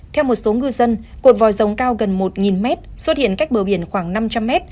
theo một số ngư dân cột vòi rồng cao gần một mét xuất hiện cách bờ biển khoảng năm trăm linh m